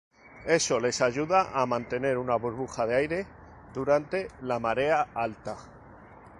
Eso les ayuda a mantener una burbuja de aire durante la marea alta.